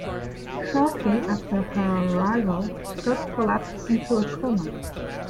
Shortly after her arrival, Scott collapsed into a coma.